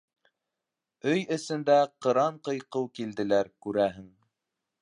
Өй эсендә ҡыран-ҡыйҡыу килделәр, күрәһең.